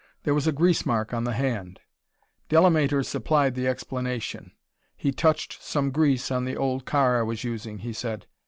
There was a grease mark on the hand. Delamater supplied the explanation. "He touched some grease on the old car I was using," he said.